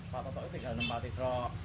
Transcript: pak toto itu tiga ratus enam puluh empat